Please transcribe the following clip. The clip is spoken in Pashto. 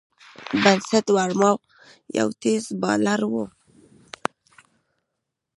بسنت ورما یو تېز بالر وو.